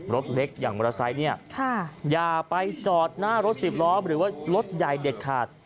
รถเล็กอย่างมอเตอร์ไซค์เนี่ยอย่าไปจอดหน้ารถสิบล้อหรือว่ารถใหญ่เด็ดขาด